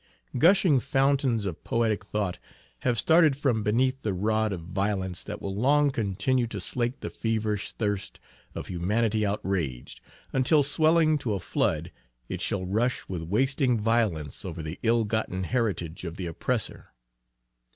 Gushing fountains of poetic thought, have started from beneath the rod of violence, that will long continue to slake the feverish thirst of humanity outraged, until swelling to a flood it shall rush with wasting violence over the ill gotten heritage of the oppressor.